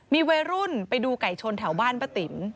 มีวัยรุ่นไปดูไก่ชนแถวบ้านป้าติ๋ม